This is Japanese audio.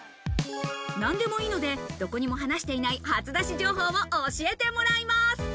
何でもいいので、どこにも話していない初出し情報を教えてもらいます。